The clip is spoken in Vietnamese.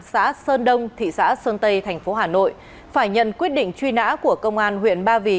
xã sơn đông thị xã sơn tây tp hcm phải nhận quyết định truy nã của công an huyện ba vì